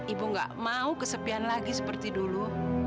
ibu gak mau kesepian lagi seperti dulu